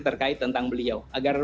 terkait tentang beliau agar